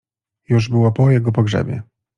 Już było po jego pogrzebie.